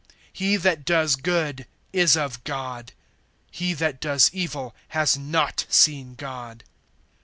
He that does good, is of God; he that does evil, has not seen God.